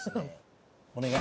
お願い。